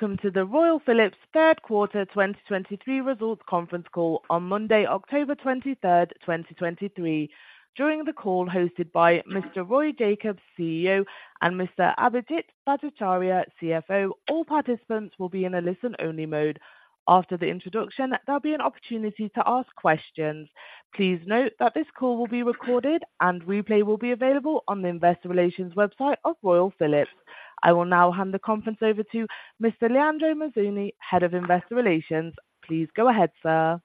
Welcome to the Royal Philips third quarter 2023 results conference call on Monday, October 23, 2023. During the call, hosted by Mr. Roy Jakobs, CEO, and Mr. Abhijit Bhattacharya, CFO, all participants will be in a listen-only mode. After the introduction, there'll be an opportunity to ask questions. Please note that this call will be recorded and replay will be available on the investor relations website of Royal Philips. I will now hand the conference over to Mr. Leandro Mazzoni, Head of Investor Relations. Please go ahead, sir.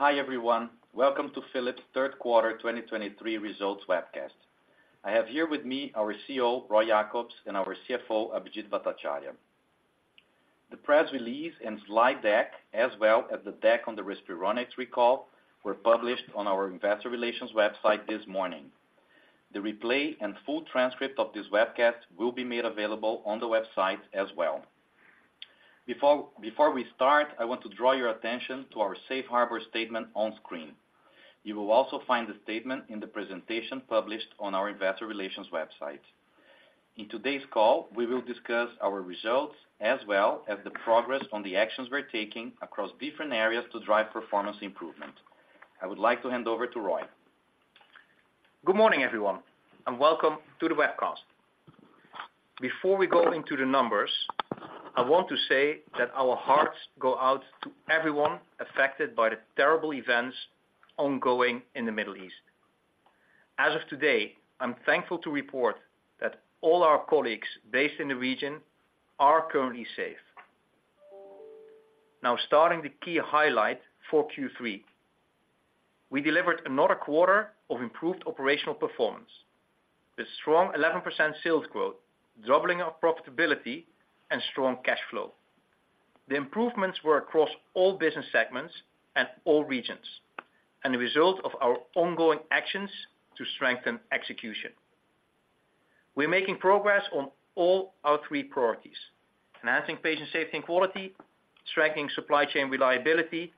Hi, everyone. Welcome to Philips third quarter 2023 results webcast. I have here with me our CEO, Roy Jakobs, and our CFO, Abhijit Bhattacharya. The press release and slide deck, as well as the deck on the Respironics recall, were published on our investor relations website this morning. The replay and full transcript of this webcast will be made available on the website as well. Before we start, I want to draw your attention to our safe harbor statement on screen. You will also find the statement in the presentation published on our investor relations website. In today's call, we will discuss our results, as well as the progress on the actions we're taking across different areas to drive performance improvement. I would like to hand over to Roy. Good morning, everyone, and welcome to the webcast. Before we go into the numbers, I want to say that our hearts go out to everyone affected by the terrible events ongoing in the Middle East. As of today, I'm thankful to report that all our colleagues based in the region are currently safe. Now, starting the key highlight for Q3. We delivered another quarter of improved operational performance with strong 11% sales growth, doubling our profitability and strong cash flow. The improvements were across all business segments and all regions, and a result of our ongoing actions to strengthen execution. We're making progress on all our three priorities: enhancing patient safety and quality, strengthening supply chain reliability,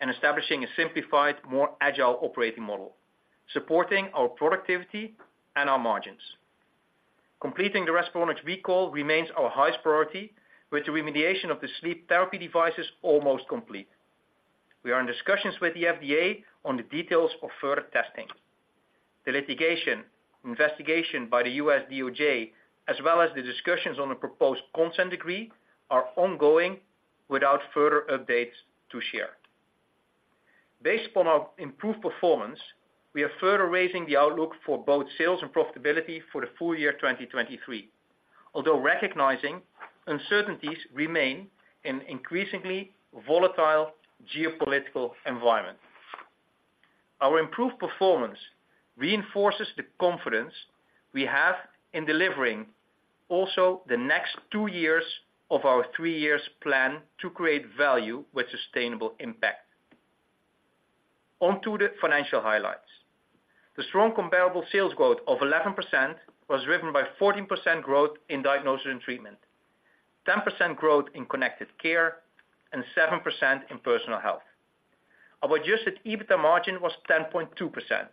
and establishing a simplified, more agile operating model, supporting our productivity and our margins. Completing the Respironics recall remains our highest priority, with the remediation of the sleep therapy devices almost complete. We are in discussions with the FDA on the details of further testing. The litigation, investigation by the U.S. DOJ, as well as the discussions on a proposed consent decree, are ongoing without further updates to share. Based upon our improved performance, we are further raising the outlook for both sales and profitability for the full year 2023, although recognizing uncertainties remain in increasingly volatile geopolitical environment. Our improved performance reinforces the confidence we have in delivering also the next two years of our three-year plan to create value with sustainable impact. On to the financial highlights. The strong comparable sales growth of 11% was driven by 14% growth in Diagnosis & Treatment, 10% growth in Connected Care, and 7% in Personal Health. Our adjusted EBITDA margin was 10.2%,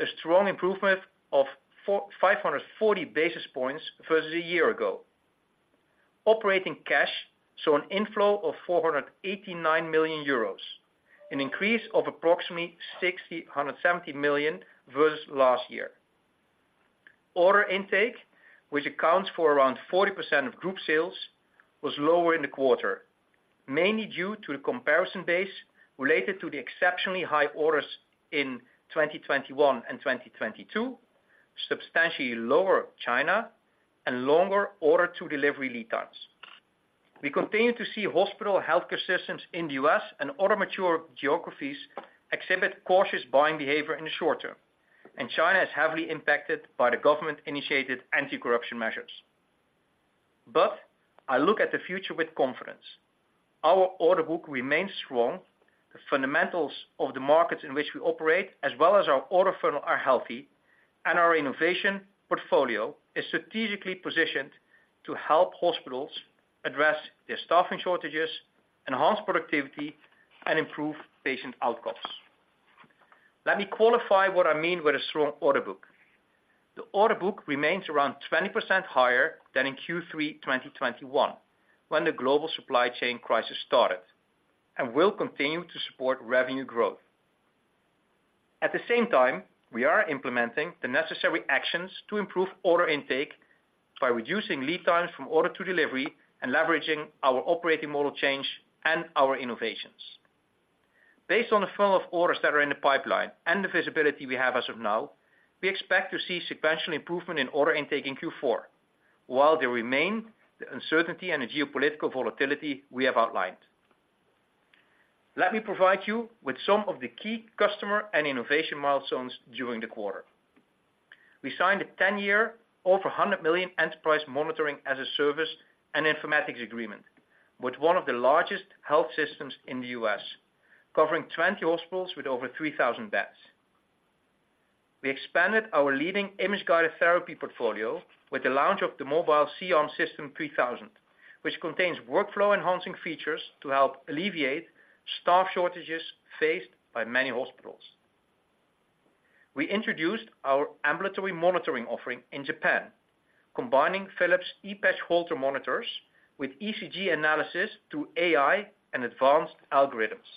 a strong improvement of 450 basis points versus a year ago. Operating cash saw an inflow of 489 million euros, an increase of approximately 670 million versus last year. Order intake, which accounts for around 40% of group sales, was lower in the quarter, mainly due to the comparison base related to the exceptionally high orders in 2021 and 2022, substantially lower China and longer order-to-delivery lead times. We continue to see hospital healthcare systems in the U.S. and other mature geographies exhibit cautious buying behavior in the short term, and China is heavily impacted by the government-initiated anti-corruption measures. But I look at the future with confidence. Our order book remains strong. The fundamentals of the markets in which we operate, as well as our order funnel, are healthy, and our innovation portfolio is strategically positioned to help hospitals address their staffing shortages, enhance productivity, and improve patient outcomes. Let me qualify what I mean with a strong order book. The order book remains around 20% higher than in Q3 2021, when the global supply chain crisis started, and will continue to support revenue growth. At the same time, we are implementing the necessary actions to improve order intake by reducing lead times from order to delivery and leveraging our operating model change and our innovations. Based on the flow of orders that are in the pipeline and the visibility we have as of now, we expect to see sequential improvement in order intake in Q4, while there remain the uncertainty and the geopolitical volatility we have outlined. Let me provide you with some of the key customer and innovation milestones during the quarter. We signed a 10-year, over 100 million enterprise monitoring as a service and informatics agreement with one of the largest health systems in the U.S., covering 20 hospitals with over 3,000 beds. We expanded our leading Image Guided Therapy portfolio with the launch of the Philips Zenition 3000, which contains workflow-enhancing features to help alleviate staff shortages faced by many hospitals. We introduced our ambulatory monitoring offering in Japan, combining Philips ePatch Holter monitors with ECG analysis through AI and advanced algorithms.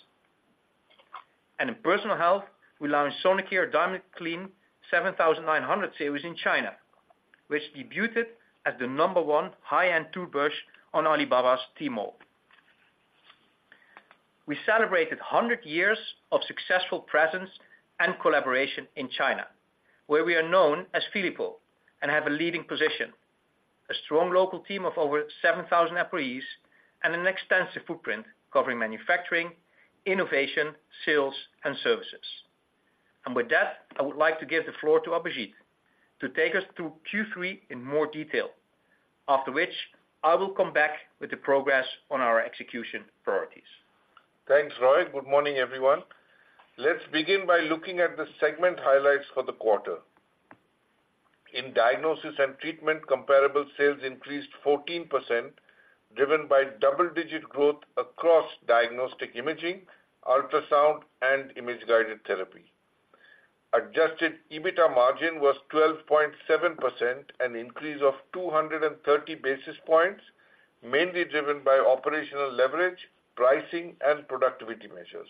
In Personal Health, we launched Sonicare DiamondClean 7900 Series in China, which debuted as the number one high-end toothbrush on Alibaba's Tmall. We celebrated 100 years of successful presence and collaboration in China, where we are known as Philips and have a leading position, a strong local team of over 7,000 employees, and an extensive footprint covering manufacturing, innovation, sales, and services. With that, I would like to give the floor to Abhijit to take us through Q3 in more detail, after which I will come back with the progress on our execution priorities. Thanks, Roy. Good morning, everyone. Let's begin by looking at the segment highlights for the quarter. In Diagnosis & Treatment, comparable sales increased 14%, driven by double-digit growth across Diagnostic Imaging, Ultrasound, and Image-Guided Therapy. Adjusted EBITDA margin was 12.7%, an increase of 230 basis points, mainly driven by operational leverage, pricing, and productivity measures.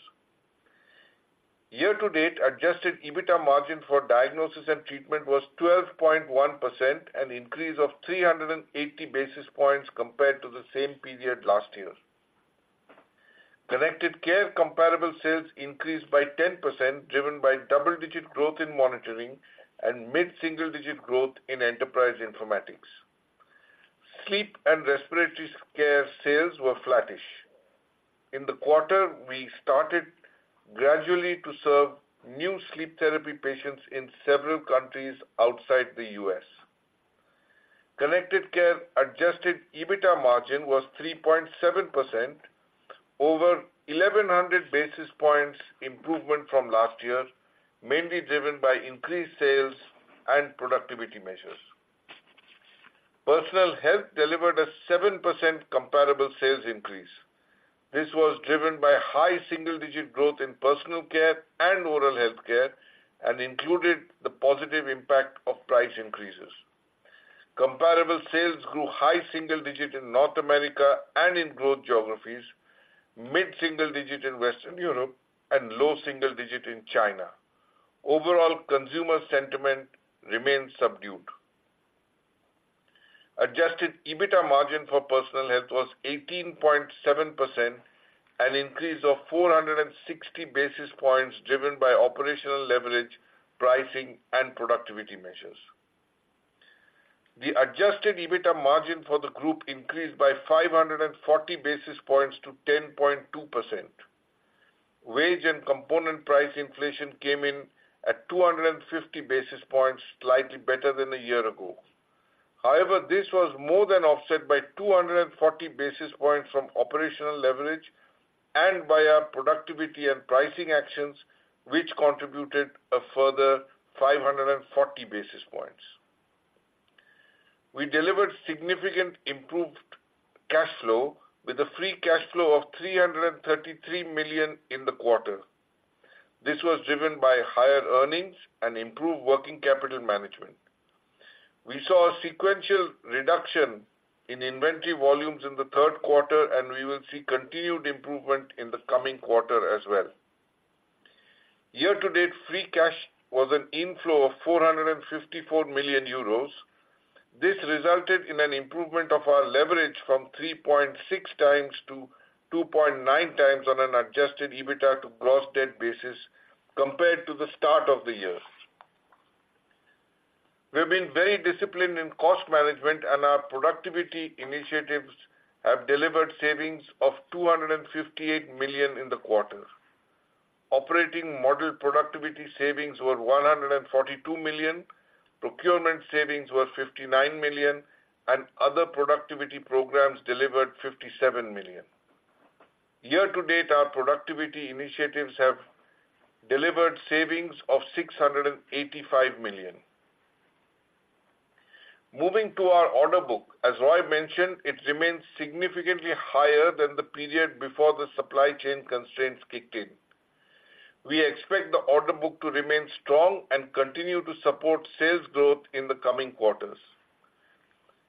Year to date, adjusted EBITDA margin for Diagnosis & Treatment was 12.1%, an increase of 380 basis points compared to the same period last year. Connected Care comparable sales increased by 10%, driven by double-digit growth in monitoring and mid-single-digit growth in Enterprise Informatics. Sleep & Respiratory Care sales were flattish. In the quarter, we started gradually to serve new sleep therapy patients in several countries outside the U.S. Connected Care adjusted EBITDA margin was 3.7%, over 1,100 basis points improvement from last year, mainly driven by increased sales and productivity measures. Personal Health delivered a 7% comparable sales increase. This was driven by high single-digit growth in Personal Care and Oral Healthcare and included the positive impact of price increases. Comparable sales grew high single-digit in North America and in growth geographies, mid-single-digit in Western Europe, and low single-digit in China. Overall, consumer sentiment remains subdued. Adjusted EBITDA margin for Personal Health was 18.7%, an increase of 460 basis points, driven by operational leverage, pricing, and productivity measures. The adjusted EBITDA margin for the group increased by 540 basis points to 10.2%. Wage and component price inflation came in at 250 basis points, slightly better than a year ago. However, this was more than offset by 240 basis points from operational leverage and by our productivity and pricing actions, which contributed a further 540 basis points. We delivered significantly improved cash flow with a free cash flow of 333 million in the quarter. This was driven by higher earnings and improved working capital management. We saw a sequential reduction in inventory volumes in the third quarter, and we will see continued improvement in the coming quarter as well. Year to date, free cash was an inflow of 454 million euros. This resulted in an improvement of our leverage from 3.6 times to 2.9 times on an Adjusted EBITDA to gross debt basis compared to the start of the year. We have been very disciplined in cost management, and our productivity initiatives have delivered savings of 258 million in the quarter. Operating model productivity savings were 142 million, procurement savings were 59 million, and other productivity programs delivered 57 million. Year to date, our productivity initiatives have delivered savings of 685 million. Moving to our order book, as Roy mentioned, it remains significantly higher than the period before the supply chain constraints kicked in. We expect the order book to remain strong and continue to support sales growth in the coming quarters.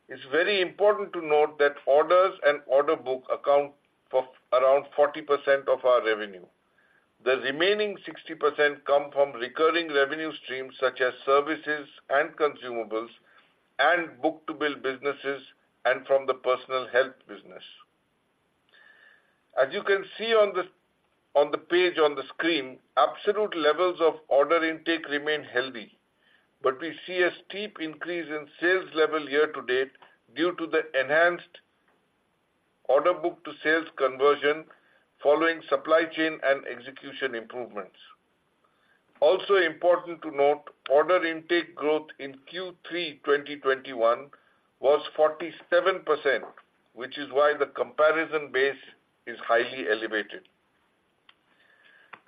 It's very important to note that orders and order book account for around 40% of our revenue. The remaining 60% come from recurring revenue streams, such as services and consumables, and book-to-bill businesses and from the Personal Health business. As you can see on the, on the page on the screen, absolute levels of order intake remain healthy, but we see a steep increase in sales level year to date due to the enhanced order book to sales conversion following supply chain and execution improvements. Also important to note, order intake growth in Q3 2021 was 47%, which is why the comparison base is highly elevated.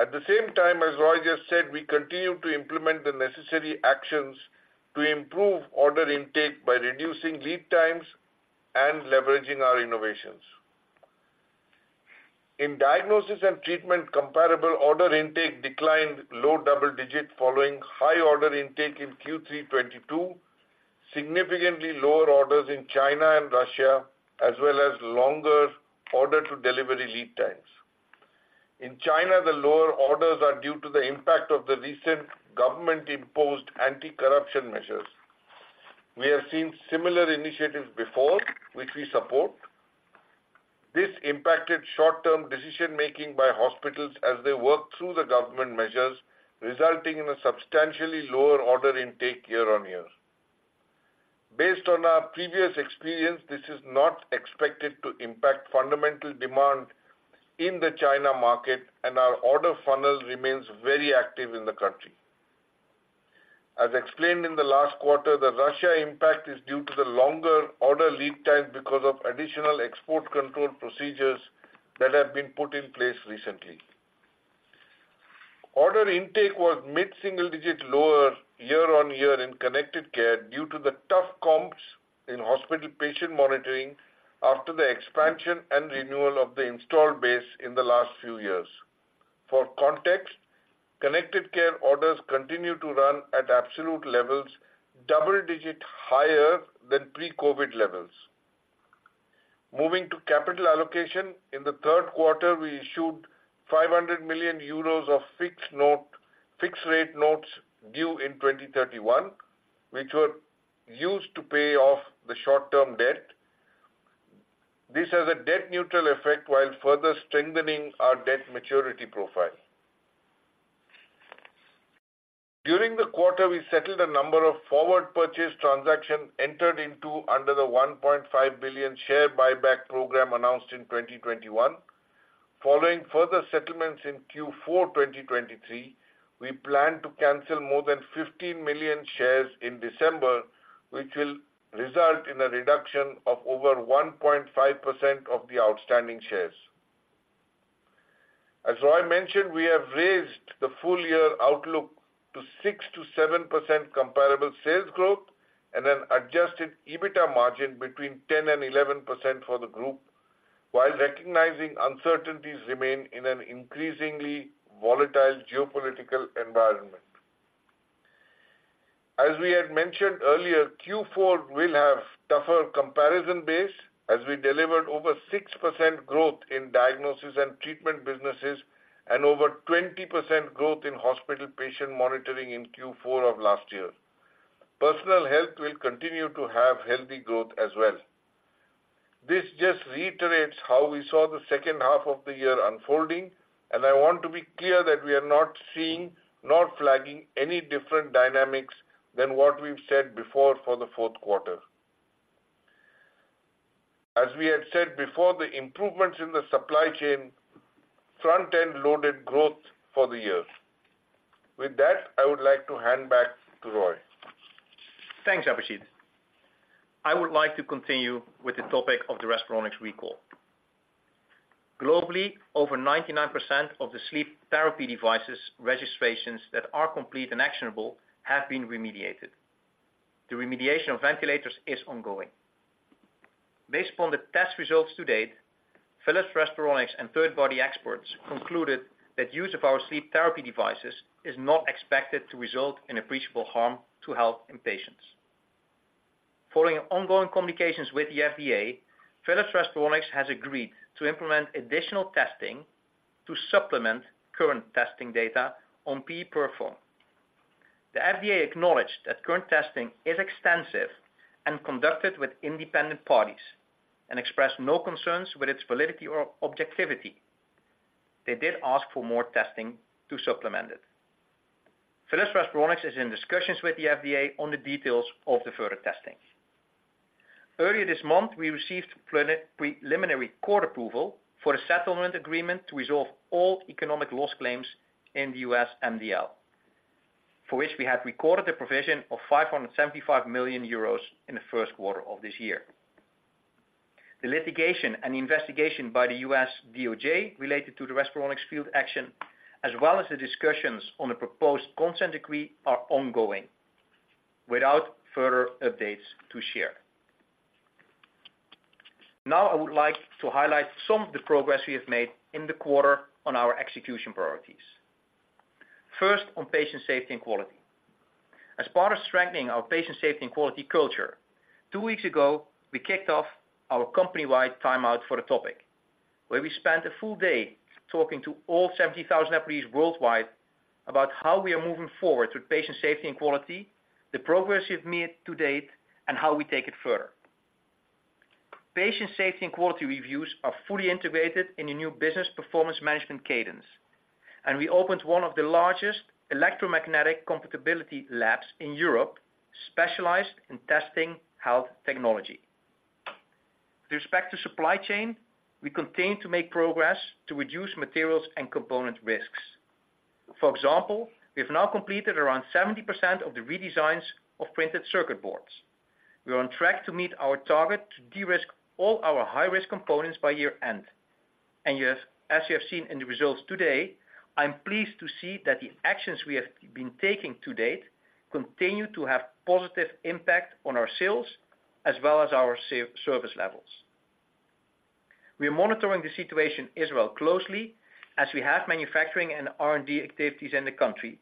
At the same time, as Roy just said, we continue to implement the necessary actions to improve order intake by reducing lead times and leveraging our innovations.... In Diagnosis & Treatment, comparable order intake declined low double-digit, following high order intake in Q3 2022, significantly lower orders in China and Russia, as well as longer order-to-delivery lead times. In China, the lower orders are due to the impact of the recent government-imposed anti-corruption measures. We have seen similar initiatives before, which we support. This impacted short-term decision-making by hospitals as they work through the government measures, resulting in a substantially lower order intake year-on-year. Based on our previous experience, this is not expected to impact fundamental demand in the China market, and our order funnel remains very active in the country. As explained in the last quarter, the Russia impact is due to the longer order lead time because of additional export control procedures that have been put in place recently. Order intake was mid-single-digit, lower year-on-year in connected care, due to the tough comps in Hospital Patient Monitoring after the expansion and renewal of the installed base in the last few years. For context, connected care orders continue to run at absolute levels, double-digit higher than pre-COVID levels. Moving to capital allocation, in the third quarter, we issued 500 million euros of fixed-rate notes due in 2031, which were used to pay off the short-term debt. This has a debt-neutral effect while further strengthening our debt maturity profile. During the quarter, we settled a number of forward purchase transactions entered into under the 1.5 billion share buyback program announced in 2021. Following further settlements in Q4 2023, we plan to cancel more than 15 million shares in December, which will result in a reduction of over 1.5% of the outstanding shares. As Roy mentioned, we have raised the full year outlook to 6%-7% comparable sales growth and an adjusted EBITDA margin between 10%-11% for the group, while recognizing uncertainties remain in an increasingly volatile geopolitical environment. As we had mentioned earlier, Q4 will have tougher comparison base as we delivered over 6% growth in Diagnosis &Treatment businesses, and over 20% growth in Hospital Patient Monitoring in Q4 of last year. Personal health will continue to have healthy growth as well. This just reiterates how we saw the second half of the year unfolding, and I want to be clear that we are not seeing nor flagging any different dynamics than what we've said before for the fourth quarter. As we had said before, the improvements in the supply chain front-end loaded growth for the year. With that, I would like to hand back to Roy. Thanks, Abhijit. I would like to continue with the topic of the Respironics recall. Globally, over 99% of the sleep therapy devices registrations that are complete and actionable have been remediated. The remediation of ventilators is ongoing. Based on the test results to date, Philips Respironics and third-party experts concluded that use of our sleep therapy devices is not expected to result in appreciable harm to health in patients. Following ongoing communications with the FDA, Philips Respironics has agreed to implement additional testing to supplement current testing data on PE-PUR foam. The FDA acknowledged that current testing is extensive and conducted with independent parties, and expressed no concerns with its validity or objectivity. They did ask for more testing to supplement it. Philips Respironics is in discussions with the FDA on the details of the further testing. Earlier this month, we received preliminary court approval for a settlement agreement to resolve all economic loss claims in the U.S. MDL, for which we have recorded a provision of 575 million euros in the first quarter of this year. The litigation and investigation by the U.S. DOJ related to the Respironics field action, as well as the discussions on the proposed consent decree, are ongoing, without further updates to share. Now, I would like to highlight some of the progress we have made in the quarter on our execution priorities. First, on patient safety and quality. As part of strengthening our patient safety and quality culture, two weeks ago, we kicked off our company-wide timeout for the topic, where we spent a full day talking to all 70,000 employees worldwide about how we are moving forward with patient safety and quality, the progress we've made to date, and how we take it further. Patient safety and quality reviews are fully integrated in a new business performance management cadence, and we opened one of the largest electromagnetic compatibility labs in Europe, specialized in testing health technology. With respect to supply chain, we continue to make progress to reduce materials and component risks. For example, we have now completed around 70% of the redesigns of printed circuit boards. We are on track to meet our target to de-risk all our high-risk components by year-end. As you have seen in the results today, I'm pleased to see that the actions we have been taking to date continue to have positive impact on our sales... as well as our service levels. We are monitoring the situation in Israel closely, as we have manufacturing and R&D activities in the country,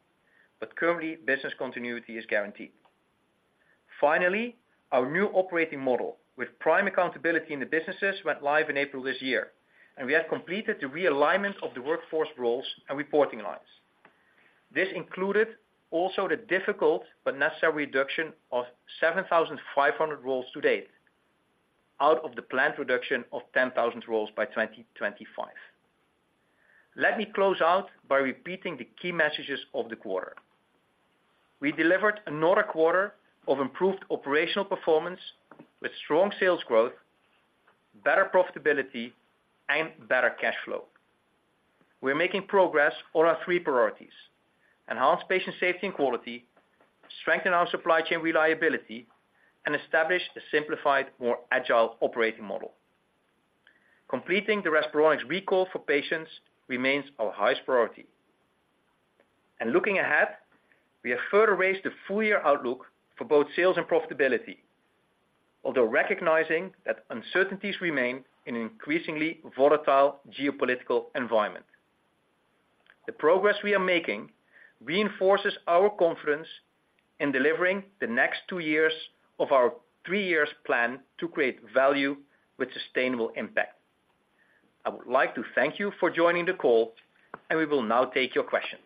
but currently, business continuity is guaranteed. Finally, our new operating model, with prime accountability in the businesses, went live in April this year, and we have completed the realignment of the workforce roles and reporting lines. This included also the difficult but necessary reduction of 7,500 roles to date, out of the planned reduction of 10,000 roles by 2025. Let me close out by repeating the key messages of the quarter. We delivered another quarter of improved operational performance, with strong sales growth, better profitability, and better cash flow. We're making progress on our three priorities: enhance patient safety and quality, strengthen our supply chain reliability, and establish a simplified, more agile operating model. Completing the Respironics recall for patients remains our highest priority. And looking ahead, we have further raised the full-year outlook for both sales and profitability, although recognizing that uncertainties remain in an increasingly volatile geopolitical environment. The progress we are making reinforces our confidence in delivering the next two years of our three-year plan to create value with sustainable impact. I would like to thank you for joining the call, and we will now take your questions.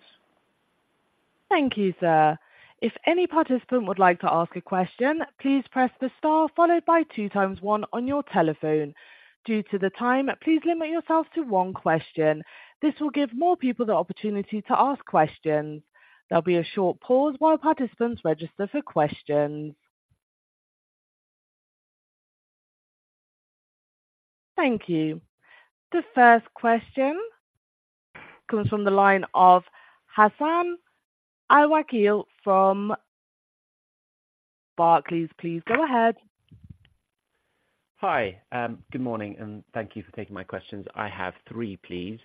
Thank you, sir. If any participant would like to ask a question, please press the star followed by 2 times 1 on your telephone. Due to the time, please limit yourself to one question. This will give more people the opportunity to ask questions. There'll be a short pause while participants register for questions. Thank you. The first question comes from the line of Hassan Al-Wakeel from Barclays. Please, go ahead. Hi. Good morning, and thank you for taking my questions. I have three, please.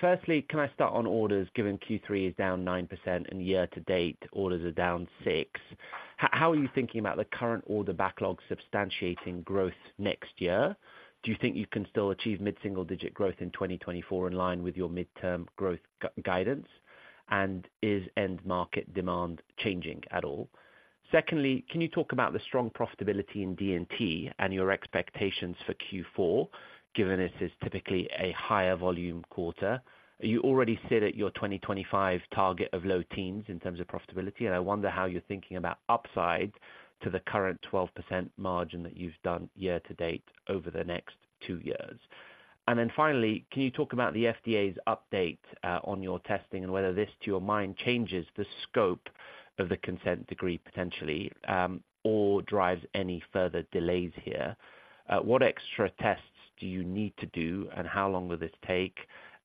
Firstly, can I start on orders, given Q3 is down 9% and year-to-date orders are down 6%? How are you thinking about the current order backlog substantiating growth next year? Do you think you can still achieve mid-single-digit growth in 2024, in line with your midterm growth guidance? And is end market demand changing at all? Secondly, can you talk about the strong profitability in D&T and your expectations for Q4, given this is typically a higher volume quarter? You already sit at your 2025 target of low teens in terms of profitability, and I wonder how you're thinking about upside to the current 12% margin that you've done year to date over the next two years. And then finally, can you talk about the FDA's update on your testing, and whether this, to your mind, changes the scope of the consent decree, potentially, or drives any further delays here? What extra tests do you need to do, and how long will this take?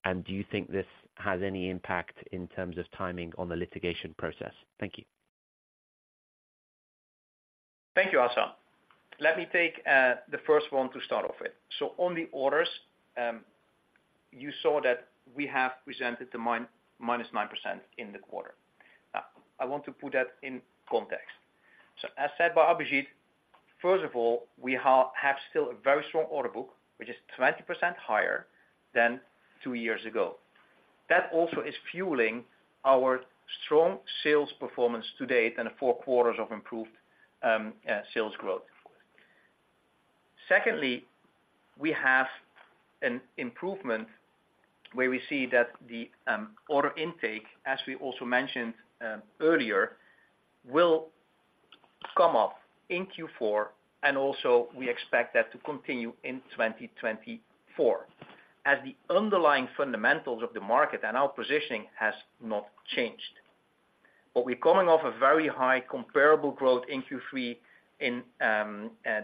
And do you think this has any impact in terms of timing on the litigation process? Thank you. Thank you, Hassan. Let me take the first one to start off with. So on the orders, you saw that we have presented the minus 9% in the quarter. I want to put that in context. So as said by Abhijit, first of all, we have still a very strong order book, which is 20% higher than two years ago. That also is fueling our strong sales performance to date and the four quarters of improved sales growth. Secondly, we have an improvement where we see that the order intake, as we also mentioned earlier, will come up in Q4, and also we expect that to continue in 2024, as the underlying fundamentals of the market and our positioning has not changed. But we're coming off a very high comparable growth in Q3 in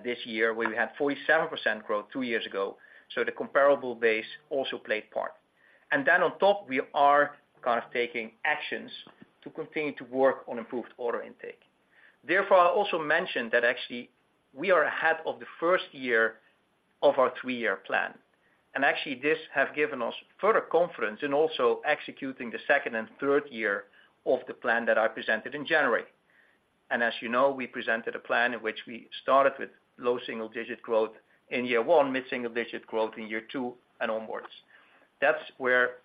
this year, where we had 47% growth two years ago, so the comparable base also played part. And then on top, we are kind of taking actions to continue to work on improved order intake. Therefore, I also mentioned that actually we are ahead of the first year of our three-year plan, and actually this have given us further confidence in also executing the second and third year of the plan that I presented in January. And as you know, we presented a plan in which we started with low single-digit growth in year one, mid-single digit growth in year two, and onwards. That's where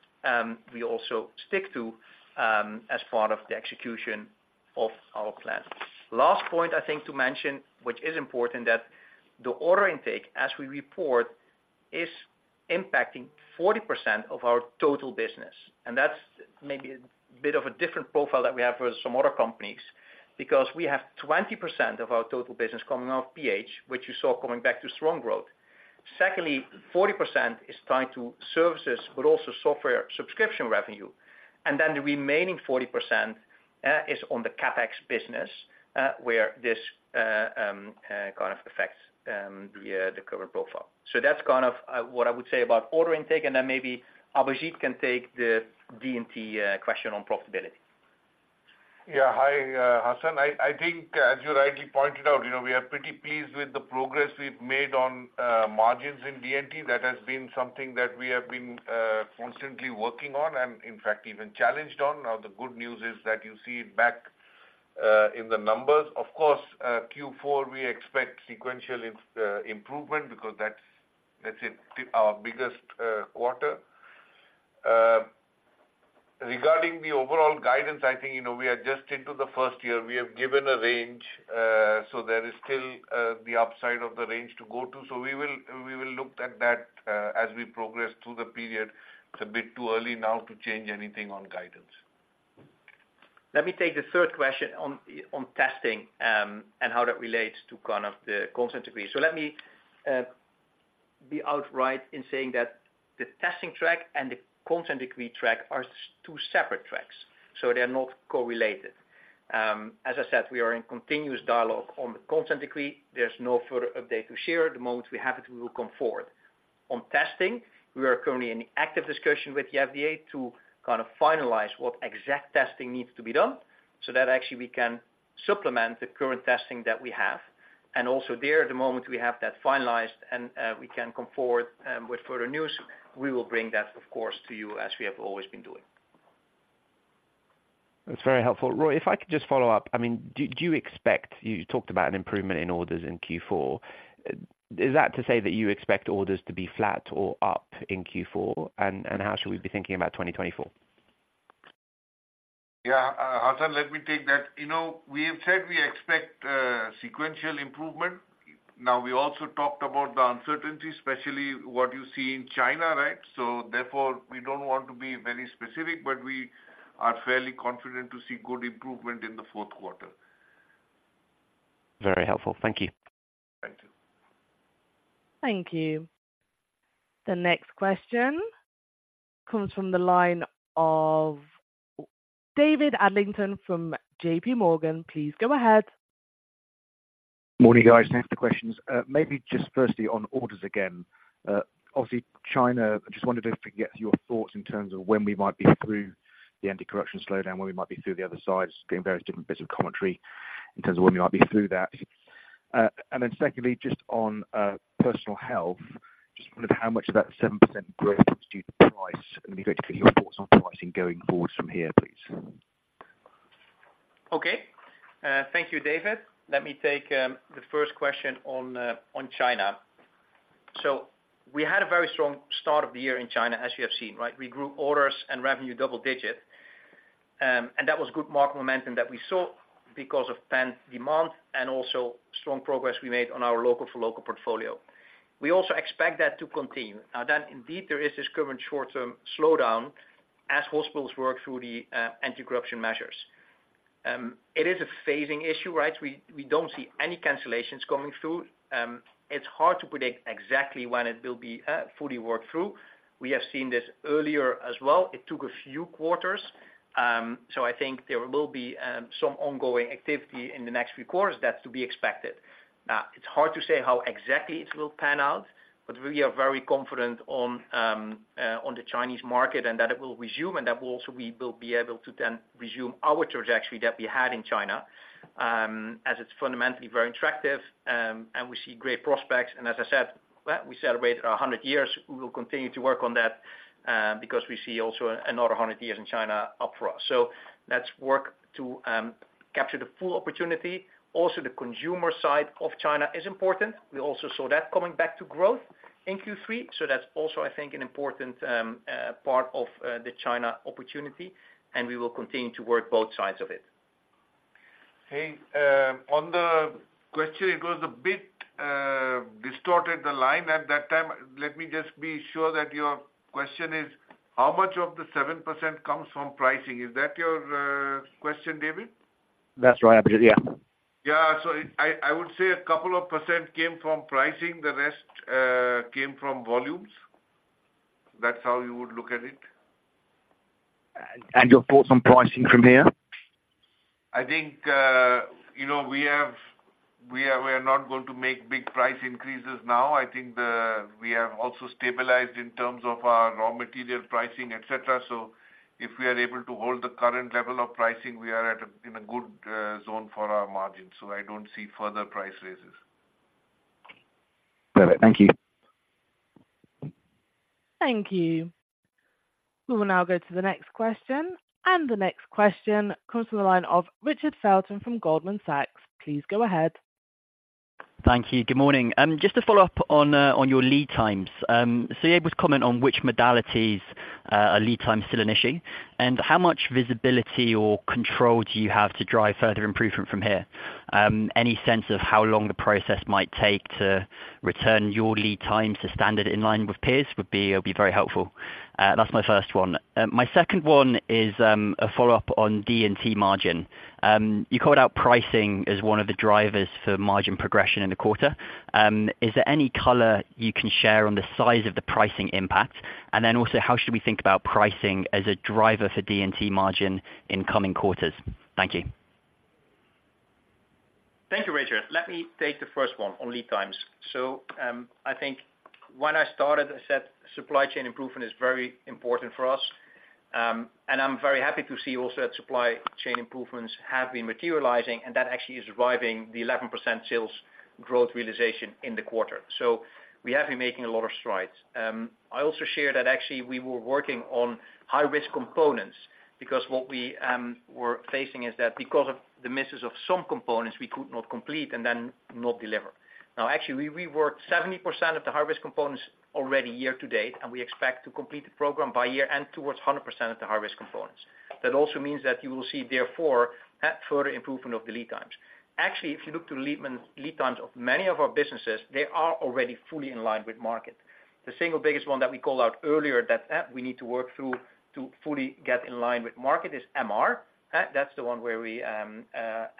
we also stick to as part of the execution of our plan. Last point, I think to mention, which is important, that the order intake, as we report, is impacting 40% of our total business, and that's maybe a bit of a different profile that we have with some other companies, because we have 20% of our total business coming off PH, which you saw coming back to strong growth. Secondly, 40% is tied to services, but also software subscription revenue, and then the remaining 40%, is on the CapEx business, where this, kind of affects, the, the current profile. So that's kind of, what I would say about order intake, and then maybe Abhijit can take the D&T, question on profitability. Yeah. Hi, Hassan. I think, as you rightly pointed out, you know, we are pretty pleased with the progress we've made on, margins in D&T. That has been something that we have been, constantly working on and in fact, even challenged on. Now, the good news is that you see it back in the numbers. Of course, Q4, we expect sequential improvement because that's our biggest quarter. Regarding the overall guidance, I think, you know, we are just into the first year. We have given a range, so there is still, the upside of the range to go to. So we will look at that, as we progress through the period. It's a bit too early now to change anything on guidance. Let me take the third question on testing, and how that relates to kind of the consent decree. So let me be outright in saying that the testing track and the consent decree track are two separate tracks, so they are not correlated. As I said, we are in continuous dialogue on the consent decree. There's no further update to share. At the moment we have it, we will come forward. On testing, we are currently in active discussion with the FDA to kind of finalize what exact testing needs to be done, so that actually we can supplement the current testing that we have. And also there, at the moment, we have that finalized, and we can come forward with further news. We will bring that, of course, to you, as we have always been doing. That's very helpful. Roy, if I could just follow up. I mean, do you expect... You talked about an improvement in orders in Q4. Is that to say that you expect orders to be flat or up in Q4? And how should we be thinking about 2024? Yeah, Hassan, let me take that. You know, we have said we expect sequential improvement. Now, we also talked about the uncertainty, especially what you see in China, right? So therefore, we don't want to be very specific, but we are fairly confident to see good improvement in the fourth quarter. Very helpful. Thank you. Thank you. Thank you. The next question comes from the line of David Adlington from J.P. Morgan. Please go ahead. Morning, guys. Thanks for the questions. Maybe just firstly on orders again. Obviously, China, I just wondered if we could get your thoughts in terms of when we might be through the anti-corruption slowdown, when we might be through the other side, seeing various different bits of commentary in terms of when we might be through that. And then secondly, just on Personal Health, just wondering how much of that 7% growth is due to price, and be great to get your thoughts on pricing going forward from here, please. Okay. Thank you, David. Let me take the first question on on China. So we had a very strong start of the year in China, as you have seen, right? We grew orders and revenue double-digit, and that was good market momentum that we saw because of pent demand and also strong progress we made on our local for local portfolio. We also expect that to continue. Now, then indeed, there is this current short-term slowdown as hospitals work through the, anti-corruption measures. It is a phasing issue, right? We don't see any cancellations coming through. It's hard to predict exactly when it will be, fully worked through. We have seen this earlier as well. It took a few quarters, so I think there will be, some ongoing activity in the next few quarters. That's to be expected. It's hard to say how exactly it will pan out, but we are very confident on the Chinese market, and that it will resume, and that also we will be able to then resume our trajectory that we had in China, as it's fundamentally very attractive, and we see great prospects. And as I said, well, we celebrated 100 years. We will continue to work on that, because we see also another 100 years in China up for us. So let's work to capture the full opportunity. Also, the consumer side of China is important. We also saw that coming back to growth in Q3, so that's also, I think, an important part of the China opportunity, and we will continue to work both sides of it. Hey, on the question, it was a bit distorted, the line at that time. Let me just be sure that your question is: how much of the 7% comes from pricing? Is that your question, David? That's right, yeah. Yeah. So it, I would say a couple of percent came from pricing, the rest came from volumes. That's how you would look at it. Your thoughts on pricing from here? I think, you know, we are, we are not going to make big price increases now. I think the, we have also stabilized in terms of our raw material pricing, et cetera. So if we are able to hold the current level of pricing, we are at a, in a good, zone for our margins, so I don't see further price raises. Perfect. Thank you. Thank you. We will now go to the next question. The next question comes from the line of Richard Felton from Goldman Sachs. Please go ahead. Thank you. Good morning. Just to follow up on your lead times. So you were able to comment on which modalities are lead time still an issue, and how much visibility or control do you have to drive further improvement from here? Any sense of how long the process might take to return your lead time to standard in line with peers would be very helpful. That's my first one. My second one is a follow-up on D&T margin. You called out pricing as one of the drivers for margin progression in the quarter. Is there any color you can share on the size of the pricing impact? And then also, how should we think about pricing as a driver for D&T margin in coming quarters? Thank you. Thank you, Richard. Let me take the first one on lead times. So, I think when I started, I said supply chain improvement is very important for us. And I'm very happy to see also that supply chain improvements have been materializing, and that actually is driving the 11% sales growth realization in the quarter. So we have been making a lot of strides. I also shared that actually we were working on high-risk components, because what we were facing is that because of the misses of some components, we could not complete and then not deliver. Now, actually, we worked 70% of the high-risk components already year to date, and we expect to complete the program by year-end towards 100% of the high-risk components. That also means that you will see, therefore, that further improvement of the lead times. Actually, if you look to lead times of many of our businesses, they are already fully in line with market. The single biggest one that we called out earlier, that, we need to work through to fully get in line with market is MR. That's the one where we,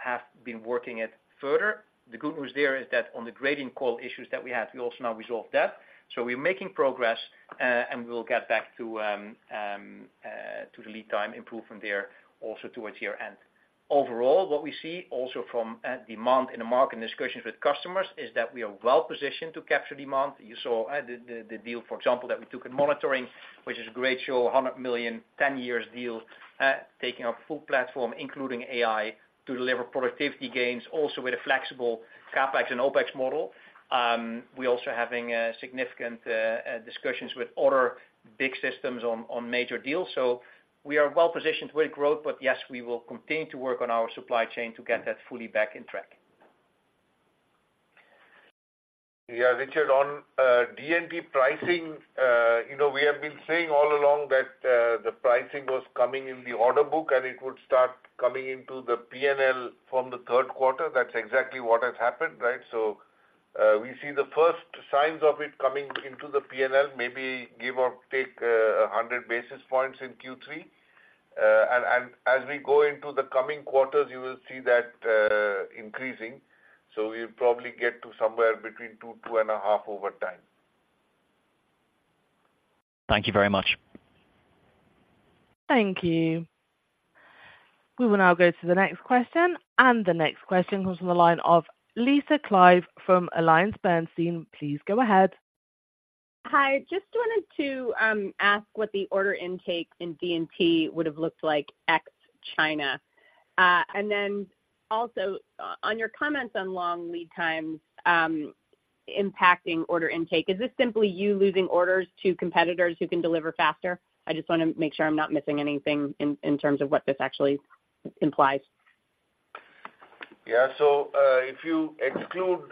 have been working it further. The good news there is that on the gradient call issues that we had, we also now resolved that. So we're making progress, and we'll get back to, to the lead time improvement there also towards year-end. Overall, what we see also from, demand in the market and discussions with customers is that we are well positioned to capture demand. You saw the deal, for example, that we took in monitoring, which is a great show, a 100 million, 10-year deal, taking our full platform, including AI, to deliver productivity gains, also with a flexible CapEx and OpEx model. We're also having significant discussions with other big systems on major deals. So we are well positioned with growth, but yes, we will continue to work on our supply chain to get that fully back in track. Yeah, Richard, on D&T pricing, you know, we have been saying all along that the pricing was coming in the order book, and it would start coming into the P&L from the third quarter. That's exactly what has happened, right? So, we see the first signs of it coming into the P&L, maybe give or take a 100 basis points in Q3. And as we go into the coming quarters, you will see that increasing. So we'll probably get to somewhere between 2-2.5 over time. Thank you very much. Thank you. We will now go to the next question. The next question comes from the line of Lisa Clive from AllianceBernstein. Please go ahead. Hi. Just wanted to ask what the order intake in D&T would have looked like ex China. And then also, on your comments on long lead times impacting order intake, is this simply you losing orders to competitors who can deliver faster? I just want to make sure I'm not missing anything in terms of what this actually implies. Yeah. So, if you exclude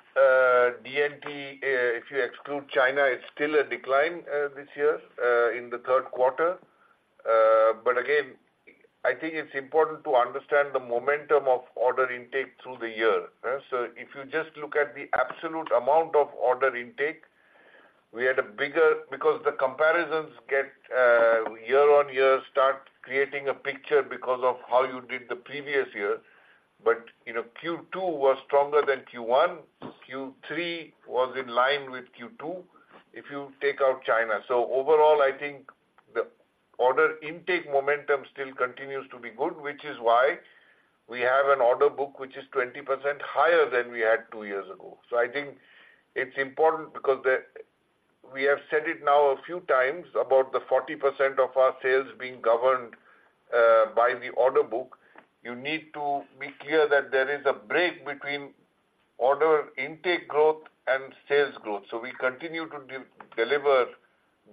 D&T, if you exclude China, it's still a decline this year in the third quarter. But again, I think it's important to understand the momentum of order intake through the year. So if you just look at the absolute amount of order intake, we had a bigger—because the comparisons get year-on-year start creating a picture because of how you did the previous year. But, you know, Q2 was stronger than Q1. Q3 was in line with Q2, if you take out China. So overall, I think the order intake momentum still continues to be good, which is why we have an order book which is 20% higher than we had two years ago. So I think it's important because we have said it now a few times, about the 40% of our sales being governed by the order book. You need to be clear that there is a break between order intake growth and sales growth. So we continue to deliver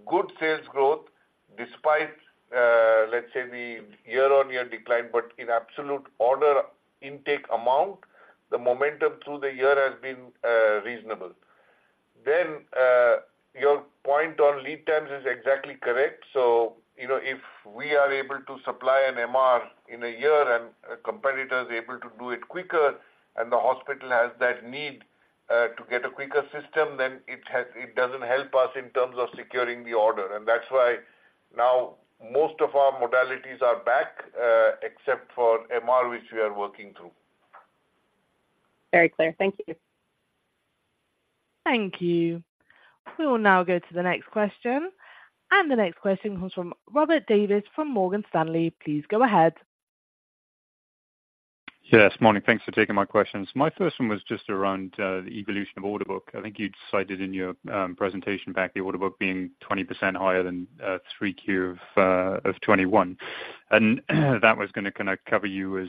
good sales growth despite, let's say, the year-on-year decline, but in absolute order intake amount, the momentum through the year has been reasonable. Then, your point on lead times is exactly correct. So, you know, if we are able to supply an MR in a year, and a competitor is able to do it quicker, and the hospital has that need to get a quicker system, then it doesn't help us in terms of securing the order. That's why now most of our modalities are back, except for MR, which we are working through. Very clear. Thank you. Thank you. We will now go to the next question, and the next question comes from Robert Davies, from Morgan Stanley. Please go ahead. Yes, morning. Thanks for taking my questions. My first one was just around the evolution of order book. I think you decided in your presentation back the order book being 20% higher than Q3 of 2021. And, that was gonna kind of cover you as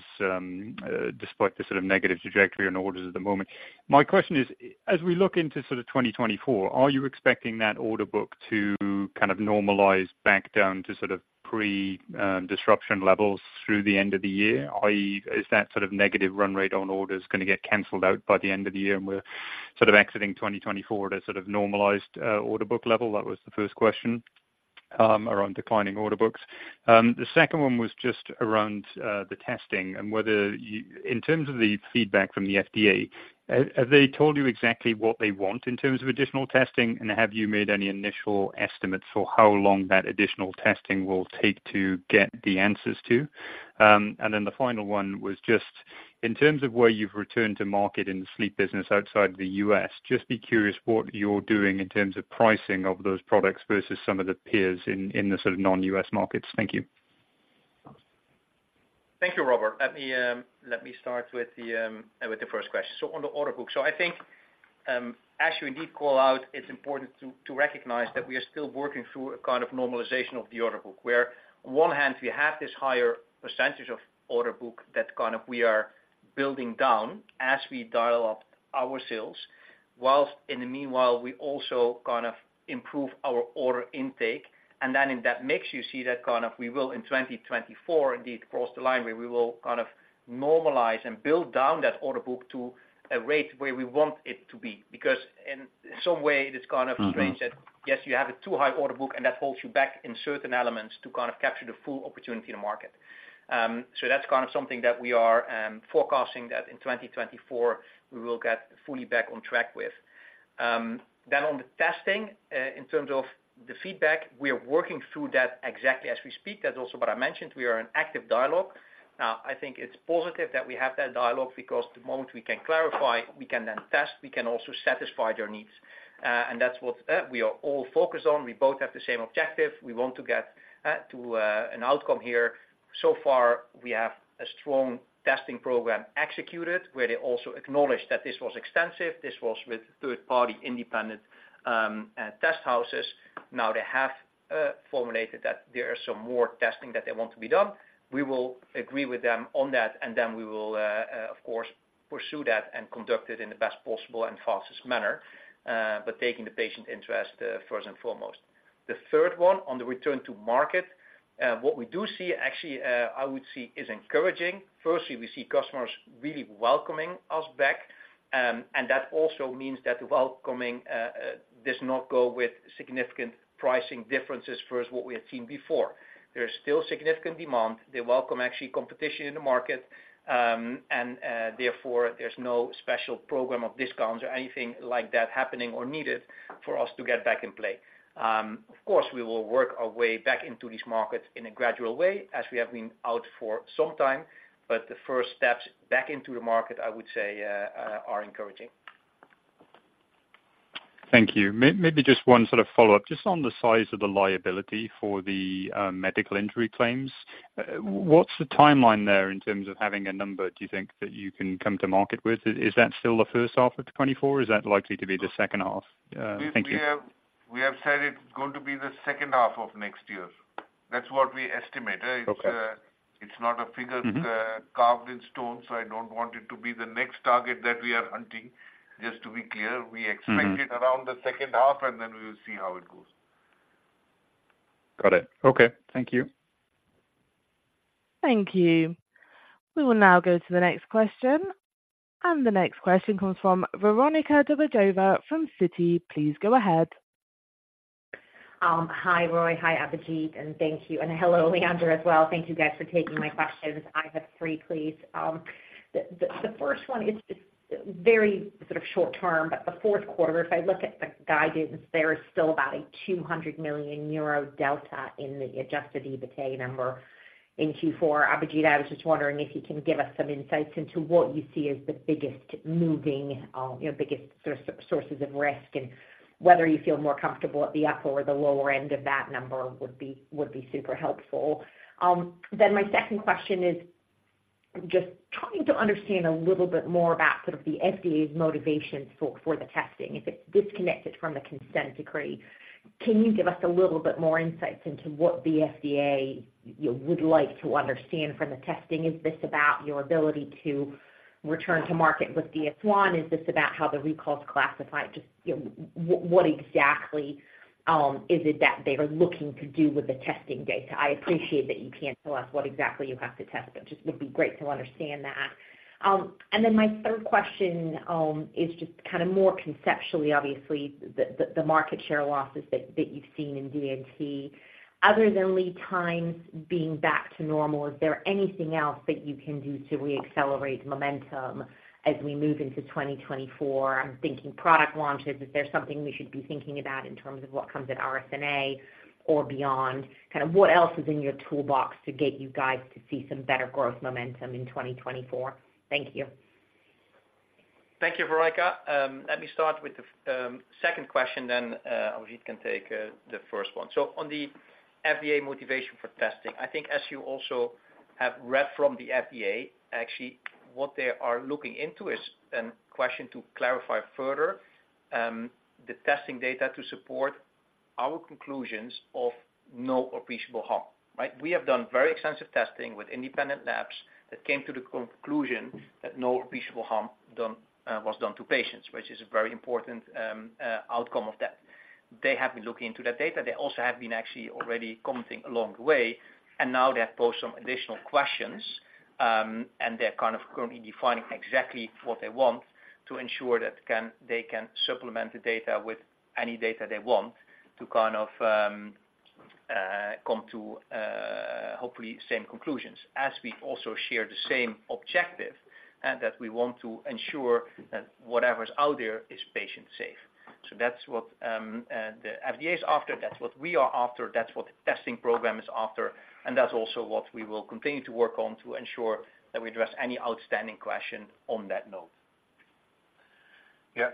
despite the sort of negative trajectory on orders at the moment. My question is, as we look into sort of 2024, are you expecting that order book to kind of normalize back down to sort of pre-disruption levels through the end of the year? i.e., is that sort of negative run rate on orders gonna get canceled out by the end of the year, and we're sort of exiting 2024 at a sort of normalized order book level? That was the first question around declining order books. The second one was just around the testing and whether you... In terms of the feedback from the FDA, have they told you exactly what they want in terms of additional testing? And have you made any initial estimates for how long that additional testing will take to get the answers to? And then the final one was just in terms of where you've returned to market in the sleep business outside the U.S., just be curious what you're doing in terms of pricing of those products versus some of the peers in, in the sort of non-U.S. markets. Thank you.... Thank you, Robert. Let me, let me start with the, with the first question. So on the order book. So I think, as you indeed call out, it's important to, to recognize that we are still working through a kind of normalization of the order book, where on one hand, we have this higher percentage of order book that kind of we are building down as we dial up our sales. While in the meanwhile, we also kind of improve our order intake, and then in that mix, you see that kind of we will in 2024 indeed cross the line, where we will kind of normalize and build down that order book to a rate where we want it to be. Because in some way it is kind of strange- Mm-hmm. -that, yes, you have a too high order book, and that holds you back in certain elements to kind of capture the full opportunity in the market. So that's kind of something that we are forecasting that in 2024, we will get fully back on track with. Then on the testing, in terms of the feedback, we are working through that exactly as we speak. That's also what I mentioned. We are in active dialogue. Now, I think it's positive that we have that dialogue, because the moment we can clarify, we can then test, we can also satisfy their needs. And that's what we are all focused on. We both have the same objective. We want to get to an outcome here. So far, we have a strong testing program executed, where they also acknowledge that this was extensive, this was with third-party independent test houses. Now, they have formulated that there are some more testing that they want to be done. We will agree with them on that, and then we will, of course, pursue that and conduct it in the best possible and fastest manner, but taking the patient interest first and foremost. The third one, on the return to market, what we do see actually, I would see, is encouraging. Firstly, we see customers really welcoming us back, and that also means that the welcoming does not go with significant pricing differences versus what we have seen before. There is still significant demand. They welcome actually competition in the market, and, therefore, there's no special program of discounts or anything like that happening or needed for us to get back in play. Of course, we will work our way back into these markets in a gradual way, as we have been out for some time, but the first steps back into the market, I would say, are encouraging. Thank you. Maybe just one sort of follow-up. Just on the size of the liability for the medical injury claims, what's the timeline there in terms of having a number, do you think, that you can come to market with? Is that still the first half of 2024, or is that likely to be the second half? Thank you. We have said it's going to be the second half of next year. That's what we estimate, eh- Okay. It's not a figure- Mm-hmm... carved in stone, so I don't want it to be the next target that we are hunting. Just to be clear- Mm-hmm... we expect it around the second half, and then we will see how it goes. Got it. Okay. Thank you. Thank you. We will now go to the next question. The next question comes from Veronika Dubajova from Citi. Please go ahead. Hi, Roy. Hi, Abhijit, and thank you, and hello, Leandro, as well. Thank you guys for taking my questions. I have three, please. The first one is very sort of short term, but the fourth quarter, if I look at the guidance, there is still about 200 million euro delta in the adjusted EBITDA number in Q4. Abhijit, I was just wondering if you can give us some insights into what you see as the biggest moving, you know, biggest sources of risk, and whether you feel more comfortable at the upper or the lower end of that number would be super helpful. Then my second question is just trying to understand a little bit more about sort of the FDA's motivation for the testing. If it's disconnected from the consent decree, can you give us a little bit more insights into what the FDA, you would like to understand from the testing? Is this about your ability to return to market with DS1? Is this about how the recall is classified? Just, you know, what exactly is it that they are looking to do with the testing data? I appreciate that you can't tell us what exactly you have to test, but just would be great to understand that. And then my third question is just kind of more conceptually, obviously, the market share losses that you've seen in D&T. Other than lead times being back to normal, is there anything else that you can do to reaccelerate momentum as we move into 2024? I'm thinking product launches. Is there something we should be thinking about in terms of what comes at RSNA or beyond? Kind of what else is in your toolbox to get you guys to see some better growth momentum in 2024? Thank you. Thank you, Veronika. Let me start with the second question, then Abhijit can take the first one. So on the FDA motivation for testing, I think as you also have read from the FDA, actually, what they are looking into is a question to clarify further the testing data to support our conclusions of no appreciable harm, right? We have done very extensive testing with independent labs that came to the conclusion that no appreciable harm was done to patients, which is a very important outcome of that. They have been looking into that data. They also have been actually already commenting along the way, and now they have posed some additional questions, and they're kind of currently defining exactly what they want to ensure that they can supplement the data with any data they want to kind of come to hopefully same conclusions. As we also share the same objective, and that we want to ensure that whatever is out there is patient safe. So that's what the FDA is after. That's what we are after. That's what the testing program is after, and that's also what we will continue to work on to ensure that we address any outstanding question on that note.... Yeah,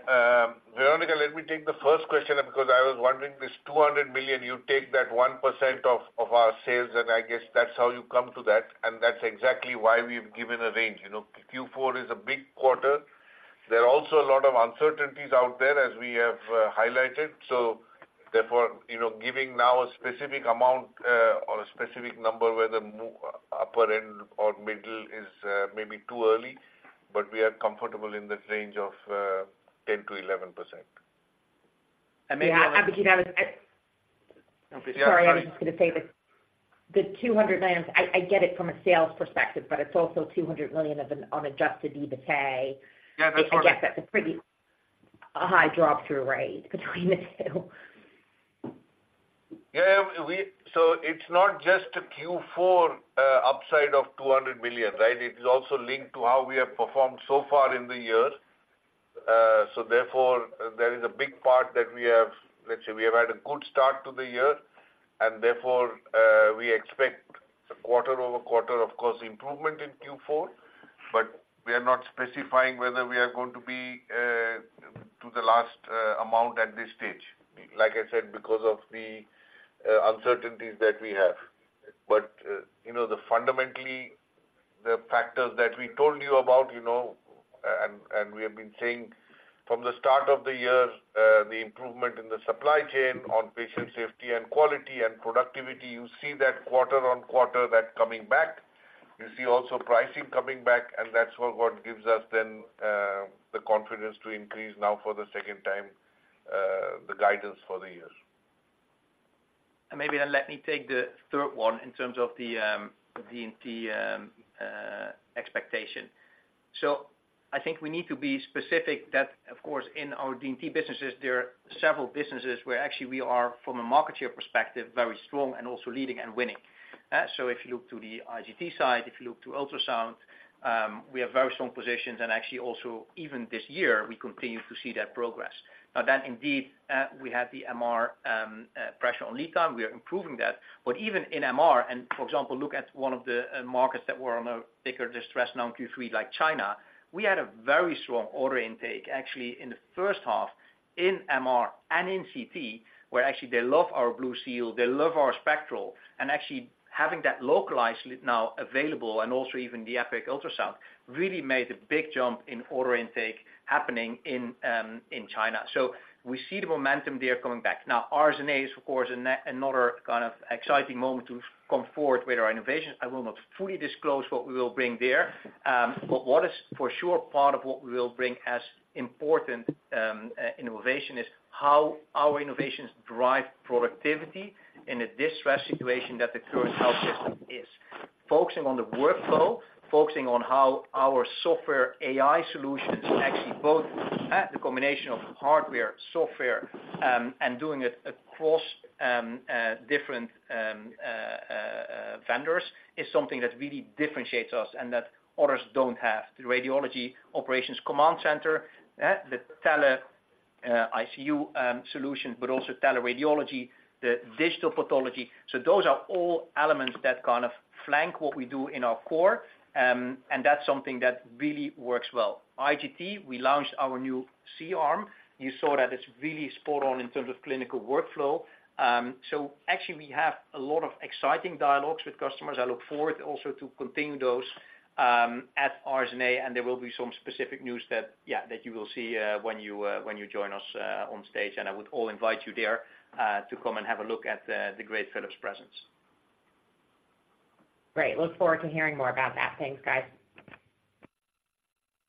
Veronika, let me take the first question because I was wondering, this 200 million, you take that 1% of our sales, and I guess that's how you come to that, and that's exactly why we've given a range. You know, Q4 is a big quarter. There are also a lot of uncertainties out there as we have highlighted. So therefore, you know, giving now a specific amount or a specific number, whether upper end or middle is maybe too early, but we are comfortable in this range of 10%-11%. And maybe- Yeah, Abhijit, I was. Yeah, sorry. Sorry, I was just gonna say, the 200 million, I get it from a sales perspective, but it's also 200 million of an unadjusted EBITDA. Yeah, that's correct. I guess that's a pretty high drop-through rate between the two. Yeah, so it's not just a Q4 upside of 200 million, right? It is also linked to how we have performed so far in the year. So therefore, there is a big part that we have... Let's say we have had a good start to the year, and therefore, we expect quarter-over-quarter, of course, improvement in Q4. But we are not specifying whether we are going to be to the last amount at this stage. Like I said, because of the uncertainties that we have. But, you know, the fundamentally, the factors that we told you about, you know, and, and we have been saying from the start of the year, the improvement in the supply chain, on patient safety and quality and productivity, you see that quarter-over-quarter, that coming back. You see also pricing coming back, and that's what gives us then the confidence to increase now for the second time the guidance for the year. And maybe then let me take the third one in terms of the, the D&T, expectation. So I think we need to be specific that, of course, in our D&T businesses, there are several businesses where actually we are, from a market share perspective, very strong and also leading and winning. So if you look to the IGT side, if you look to Ultrasound, we have very strong positions, and actually also even this year, we continue to see that progress. But then indeed, we have the MR, pressure on lead time. We are improving that. But even in MR, and for example, look at one of the markets that were on a bigger distress now in Q3, like China, we had a very strong order intake, actually, in the first half in MR and in CT, where actually they love our BlueSeal, they love our Spectral, and actually having that localized now available and also even the EPIQ Ultrasound, really made a big jump in order intake happening in China. So we see the momentum there coming back. Now, RSNA is of course another kind of exciting moment to come forward with our innovations. I will not fully disclose what we will bring there, but what is for sure part of what we will bring as important innovation is how our innovations drive productivity in a distressed situation that the current health system is. Focusing on the workflow, focusing on how our software AI solutions actually both the combination of hardware, software, and doing it across different vendors is something that really differentiates us and that others don't have. The Radiology Operations Command Center, the Tele-ICU solution, but also Teleradiology, the Digital Pathology. So those are all elements that kind of flank what we do in our core, and that's something that really works well. IGT, we launched our new C-arm. You saw that it's really spot on in terms of clinical workflow. So actually, we have a lot of exciting dialogues with customers. I look forward also to continue those at RSNA, and there will be some specific news that, yeah, that you will see when you join us on stage. I would all invite you there to come and have a look at the great Philips presence. Great, look forward to hearing more about that. Thanks, guys.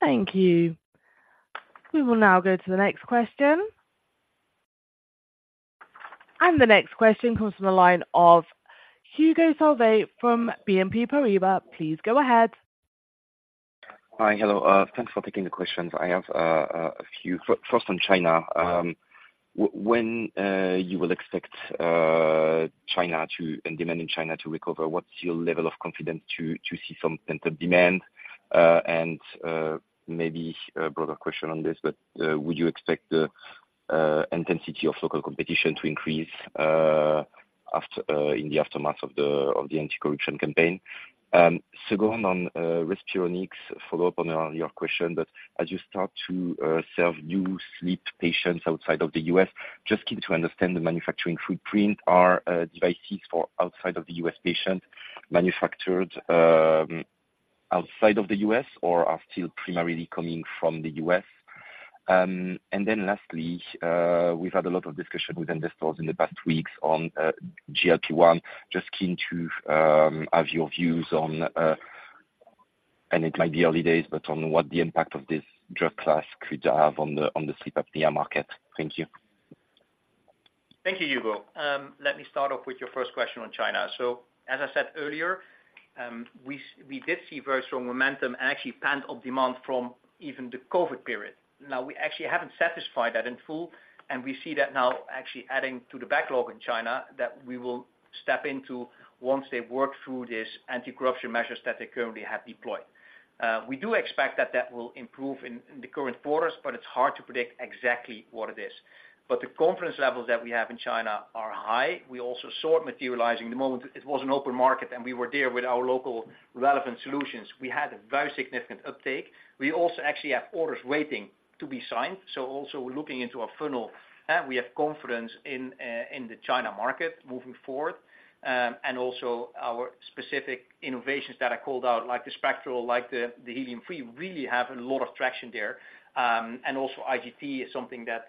Thank you. We will now go to the next question. The next question comes from the line of Hugo Solvet from BNP Paribas. Please go ahead. Hi, hello. Thanks for taking the questions. I have a few. First on China, when you will expect China and demand in China to recover, what's your level of confidence to see some pent-up demand? And maybe a broader question on this, but would you expect the intensity of local competition to increase after in the aftermath of the anti-corruption campaign? Second, on Respironics, follow up on your question, but as you start to serve new sleep patients outside of the U.S., just keen to understand the manufacturing footprint. Are devices for outside of the U.S. patient manufactured outside of the U.S. or are still primarily coming from the U.S.? And then lastly, we've had a lot of discussion with investors in the past weeks on GLP-1. Just keen to have your views on, and it might be early days, but on what the impact of this drug class could have on the sleep apnea market. Thank you. Thank you, Hugo. Let me start off with your first question on China. So, as I said earlier, we did see very strong momentum and actually pent up demand from even the COVID period. Now, we actually haven't satisfied that in full, and we see that now actually adding to the backlog in China, that we will step into once they've worked through this anti-corruption measures that they currently have deployed. We do expect that will improve in the current quarters, but it's hard to predict exactly what it is. But the confidence levels that we have in China are high. We also saw it materializing the moment it was an open market, and we were there with our local relevant solutions. We had a very significant uptake. We also actually have orders waiting to be signed, so also we're looking into our funnel. We have confidence in the China market moving forward. And also our specific innovations that I called out, like the Spectral, like the helium-free, really have a lot of traction there. And also IGT is something that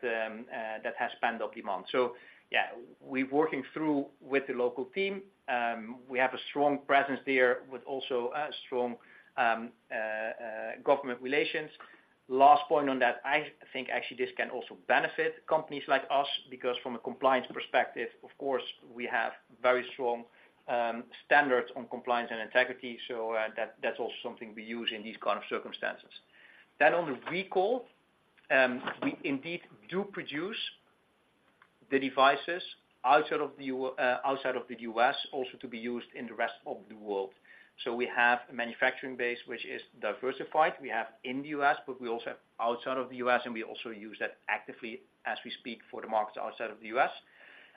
has pent-up demand. So yeah, we're working through with the local team. We have a strong presence there, with also a strong government relations. Last point on that, I think actually this can also benefit companies like us, because from a compliance perspective, of course, we have very strong standards on compliance and integrity. So, that's also something we use in these kind of circumstances. Then on the recall, we indeed do produce the devices outside of the U.S., also to be used in the rest of the world. So we have a manufacturing base, which is diversified. We have in the U.S., but we also have outside of the U.S., and we also use that actively as we speak for the markets outside of the U.S.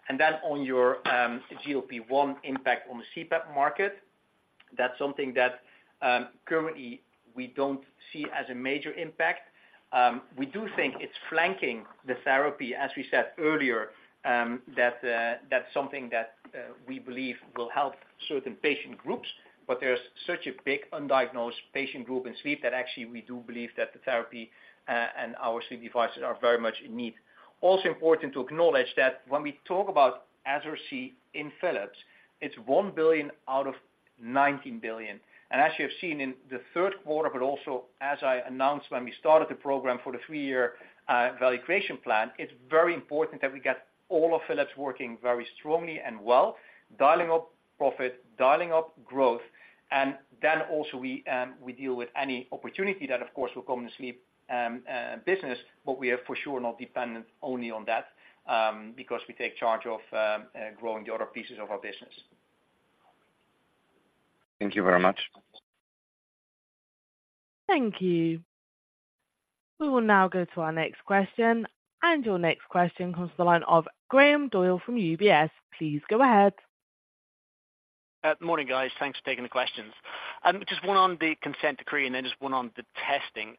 And then on your, GLP-1 impact on the CPAP market, that's something that, currently we don't see as a major impact. We do think it's flanking the therapy, as we said earlier, that, that's something that, we believe will help certain patient groups. But there's such a big undiagnosed patient group in sleep, that actually we do believe that the therapy, and our sleep devices are very much in need. Also important to acknowledge that when we talk about SRC in Philips, it's 1 billion out of 19 billion. And as you have seen in the third quarter, but also as I announced when we started the program for the three-year value creation plan, it's very important that we get all of Philips working very strongly and well, dialing up profit, dialing up growth. And then also we, we deal with any opportunity that, of course, will come to sleep business. But we are for sure not dependent only on that, because we take charge of growing the other pieces of our business. Thank you very much. Thank you. We will now go to our next question. Your next question comes to the line of Graham Doyle from UBS. Please go ahead. Morning, guys. Thanks for taking the questions. Just one on the consent decree and then just one on the testing.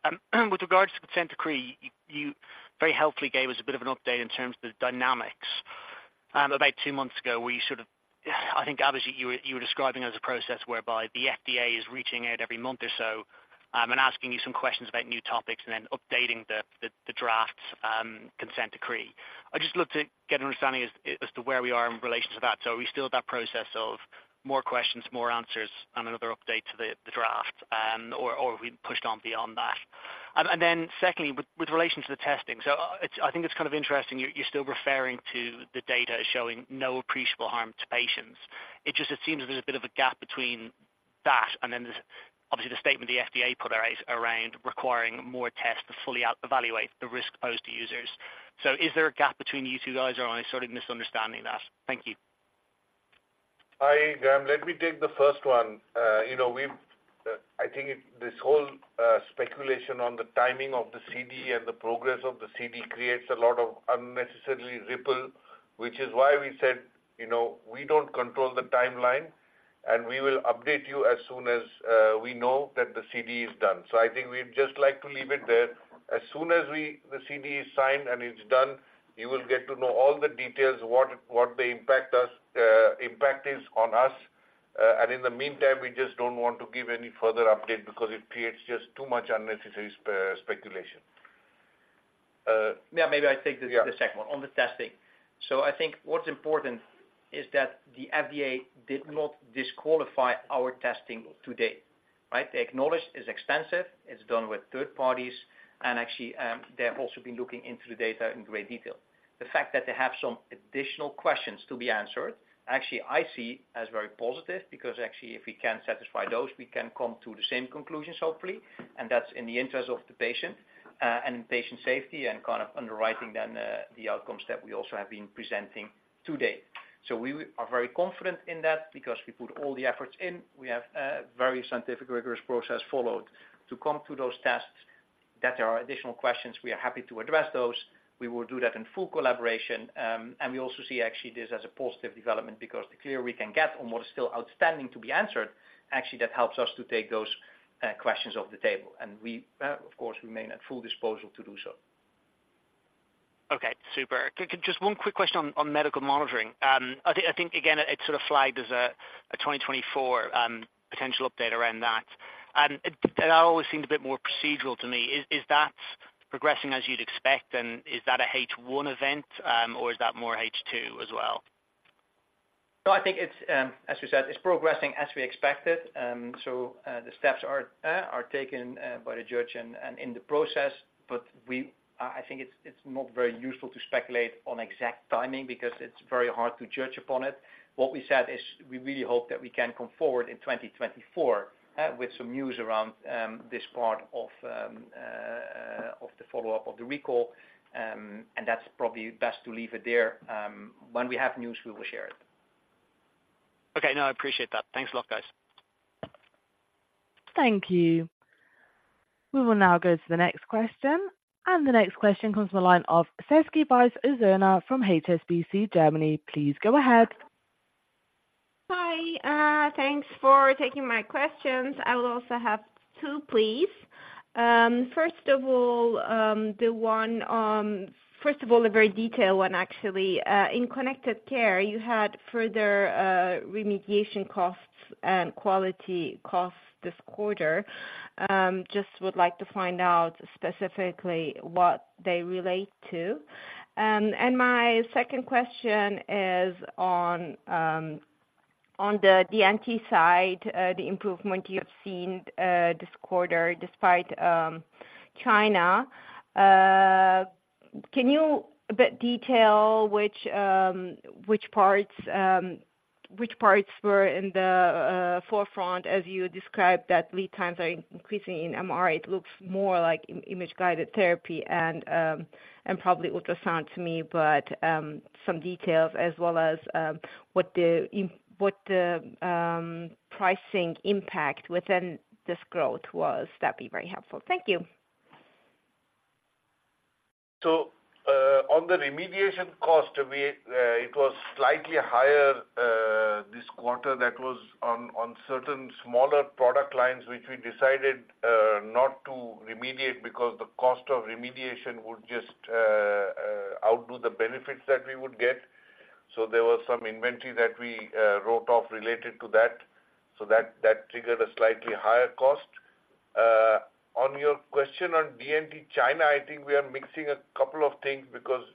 With regards to consent decree, you very helpfully gave us a bit of an update in terms of the dynamics. About two months ago, where you sort of, I think, obviously, you were describing as a process whereby the FDA is reaching out every month or so, and asking you some questions about new topics and then updating the drafts, consent decree. I'd just love to get an understanding as to where we are in relation to that. So are we still at that process of more questions, more answers, and another update to the draft, or have we pushed on beyond that? And then secondly, with relation to the testing, so, I think it's kind of interesting. You're still referring to the data as showing no appreciable harm to patients. It just seems there's a bit of a gap between that and then there's, obviously, the statement the FDA put out around requiring more tests to fully evaluate the risk posed to users. So is there a gap between you two guys, or am I sort of misunderstanding that? Thank you. Hi, Graham. Let me take the first one. You know, we've, I think it, this whole speculation on the timing of the CD and the progress of the CD creates a lot of unnecessary ripple, which is why we said, you know, we don't control the timeline, and we will update you as soon as we know that the CD is done. I think we'd just like to leave it there. As soon as we-- the CD is signed and it's done, you will get to know all the details, what the impact is, impact is on us. In the meantime, we just don't want to give any further update because it creates just too much unnecessary speculation. Yeah, maybe I take the- Yeah... the second one on the testing. So I think what's important is that the FDA did not disqualify our testing to date, right? They acknowledged it's extensive, it's done with third parties, and actually, they have also been looking into the data in great detail. The fact that they have some additional questions to be answered, actually, I see as very positive, because actually, if we can satisfy those, we can come to the same conclusions, hopefully, and that's in the interest of the patient, and patient safety and kind of underwriting then, the outcomes that we also have been presenting to date. So we are very confident in that because we put all the efforts in. We have, very scientific, rigorous process followed to come to those tests, that there are additional questions, we are happy to address those. We will do that in full collaboration. And we also see actually this as a positive development, because the clearer we can get on what is still outstanding to be answered, actually, that helps us to take those questions off the table. And we, of course, remain at full disposal to do so. Okay, super. Can... Just one quick question on, on medical monitoring. I think, I think, again, it sort of flagged as a, a 2024, potential update around that. And that always seemed a bit more procedural to me. Is, is that progressing as you'd expect? And is that a H1 event, or is that more H2 as well? So I think it's, as we said, it's progressing as we expected. The steps are taken by the judge and in the process. But we, I think it's not very useful to speculate on exact timing because it's very hard to judge upon it. What we said is we really hope that we can come forward in 2024 with some news around this part of the follow-up of the recall. And that's probably best to leave it there. When we have news, we will share it. Okay. No, I appreciate that. Thanks a lot, guys. Thank you. We will now go to the next question. The next question comes from the line of Sezgi Ozener from HSBC, Germany. Please go ahead. Hi, thanks for taking my questions. I will also have two, please. First of all, the one, first of all, a very detailed one, actually. In Connected Care, you had further remediation costs and quality costs this quarter. Just would like to find out specifically what they relate to. My second question is on the D&T side, the improvement you've seen this quarter despite China. Can you a bit detail which, which parts, which parts were in the forefront as you described that lead times are increasing in MR? It looks more like image-guided therapy and probably ultrasound to me, but some details as well as what the pricing impact within this growth was. That'd be very helpful. Thank you. So, on the remediation cost, we, it was slightly higher, this quarter. That was on certain smaller product lines, which we decided not to remediate because the cost of remediation would just outdo the benefits that we would get. So there was some inventory that we wrote off related to that, so that triggered a slightly higher cost. On your question on D&T China, I think we are mixing a couple of things because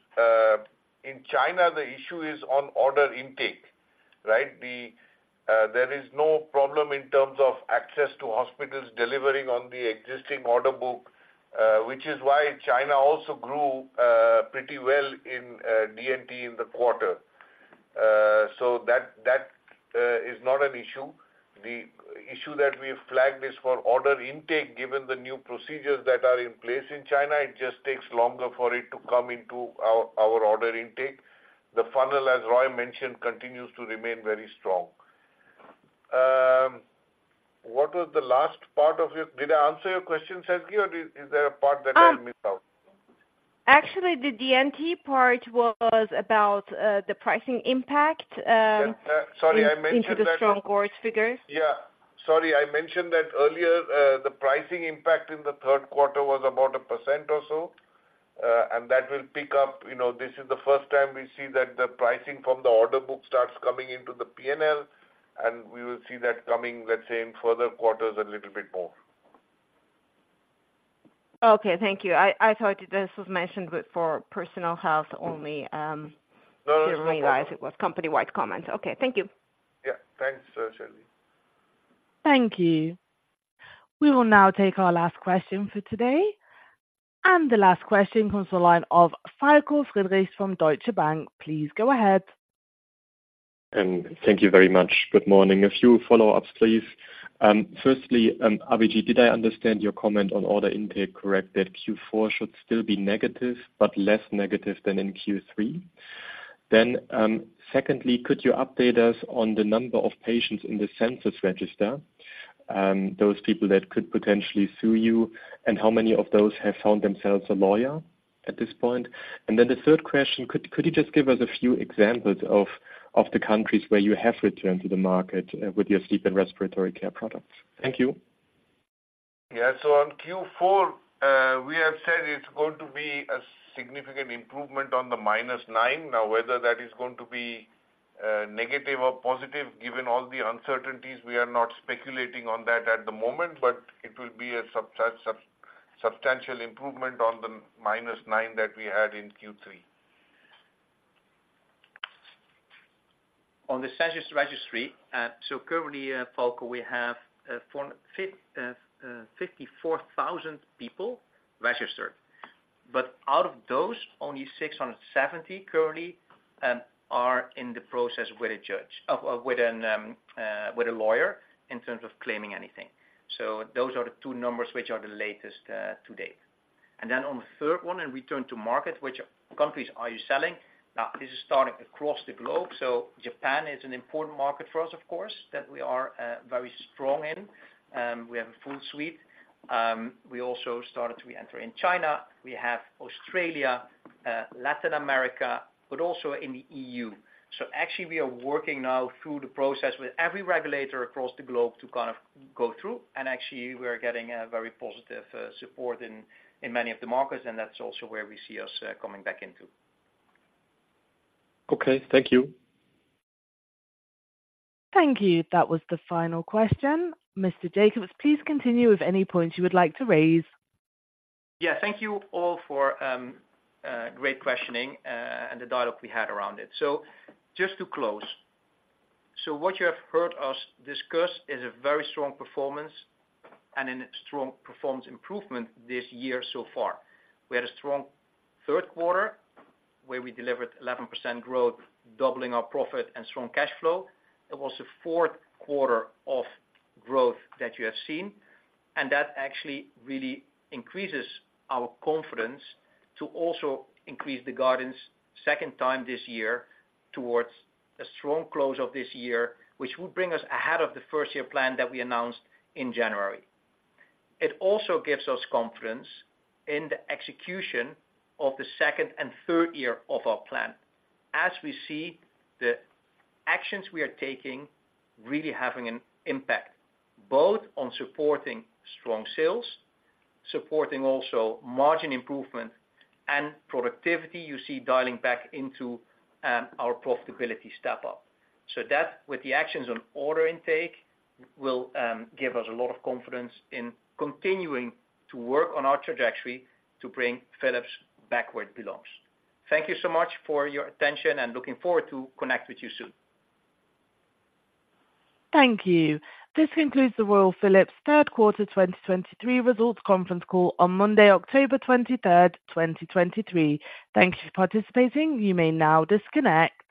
in China, the issue is on order intake, right? There is no problem in terms of access to hospitals delivering on the existing order book, which is why China also grew pretty well in D&T in the quarter. So that is not an issue. The issue that we flagged is for order intake, given the new procedures that are in place in China. It just takes longer for it to come into our order intake. The funnel, as Roy mentioned, continues to remain very strong. What was the last part of your...? Did I answer your question, Sezgi, or is there a part that I missed out? Actually, the DT part was about the pricing impact, Sorry, I mentioned that- Into the strong growth figures. Yeah. Sorry, I mentioned that earlier. The pricing impact in the third quarter was about 1% or so, and that will pick up. You know, this is the first time we see that the pricing from the order book starts coming into the PNL, and we will see that coming, let's say, in further quarters, a little bit more. Okay, thank you. I thought this was mentioned, but for personal health only. Didn't realize it was company-wide comment. Okay. Thank you. Yeah. Thanks, Sezgi. Thank you. We will now take our last question for today, and the last question comes from the line of Falko Friedrichs from Deutsche Bank. Please go ahead. Thank you very much. Good morning. A few follow-ups, please. Firstly, Abhijit, did I understand your comment on order intake correct, that Q4 should still be negative, but less negative than in Q3? Then, secondly, could you update us on the number of patients in the census register, those people that could potentially sue you, and how many of those have found themselves a lawyer at this point? And then the third question, could you just give us a few examples of the countries where you have returned to the market, with your sleep and respiratory care products? Thank you. Yeah. So on Q4, we have said it's going to be a significant improvement on the -9. Now, whether that is going to be negative or positive, given all the uncertainties, we are not speculating on that at the moment, but it will be a substantial improvement on the -9 that we had in Q3. On the census registry, Falko, we have some, 54,000 people registered, but out of those, only 670 currently are in the process with a judge, with a lawyer in terms of claiming anything. Those are the two numbers which are the latest to date. On the third one, on return to market, which countries are you selling? This is starting across the globe. Japan is an important market for us, of course, that we are very strong in. We have a full suite. We also started to re-enter in China. We have Australia, Latin America, but also in the EU. So actually, we are working now through the process with every regulator across the globe to kind of go through, and actually we are getting a very positive support in many of the markets, and that's also where we see us coming back into. Okay. Thank you. Thank you. That was the final question. Mr. Jakobs, please continue with any points you would like to raise. Yeah, thank you all for great questioning and the dialogue we had around it. So just to close, so what you have heard us discuss is a very strong performance and a strong performance improvement this year so far. We had a strong third quarter, where we delivered 11% growth, doubling our profit and strong cash flow. It was the fourth quarter of growth that you have seen, and that actually really increases our confidence to also increase the guidance second time this year towards a strong close of this year, which will bring us ahead of the first year plan that we announced in January. It also gives us confidence in the execution of the second and third year of our plan. As we see, the actions we are taking really having an impact, both on supporting strong sales, supporting also margin improvement and productivity, you see dialing back into our profitability step up. So that, with the actions on order intake, will give us a lot of confidence in continuing to work on our trajectory to bring Philips back where it belongs. Thank you so much for your attention, and looking forward to connect with you soon. Thank you. This concludes the Royal Philips third quarter 2023 results conference call on Monday, October 23, 2023. Thank you for participating. You may now disconnect.